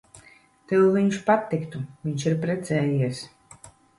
Tev viņš patiktu. Viņš ir precējies.